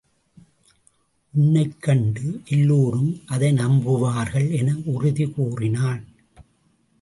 உன்னைக் கண்ட எல்லோரும் அதை நம்புவார்கள்! என உறுதி கூறினான்.